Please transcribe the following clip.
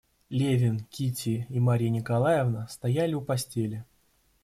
Левин, Кити и Марья Николаевна стояли у постели.